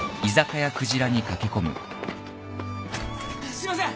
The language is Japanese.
すいません